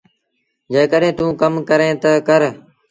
جيڪڏهيݩ توݩ ڪم ڪريݩ تا ڪر۔